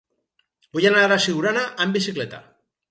Vull anar a Siurana amb bicicleta.